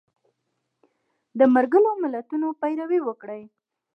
د ملګرو ملتونو پیروي وکړي